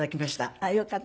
あっよかった。